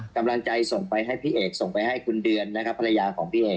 กำลังใจส่งไปให้พี่เอกคุณเดือนภรรยาของพี่เอก